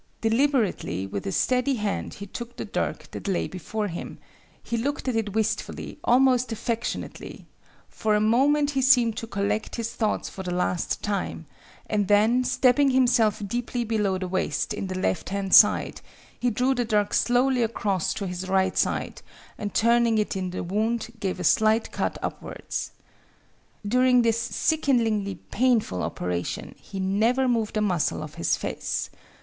Deliberately, with a steady hand he took the dirk that lay before him; he looked at it wistfully, almost affectionately; for a moment he seemed to collect his thoughts for the last time, and then stabbing himself deeply below the waist in the left hand side, he drew the dirk slowly across to his right side, and turning it in the wound, gave a slight cut upwards. During this sickeningly painful operation he never moved a muscle of his face.